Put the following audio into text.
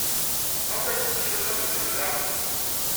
Maɣef ay teṣkid axxam-nnem da?